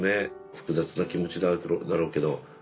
複雑な気持ちだろうけどねえ